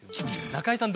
中井さん